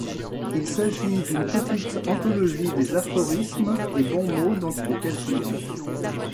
Il s'agit d'une petite anthologie des aphorismes et bons mots dont il était friand.